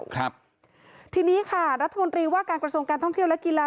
ครับทีนี้ค่ะรัฐมนตรีว่าการกระทรวงการท่องเที่ยวและกีฬา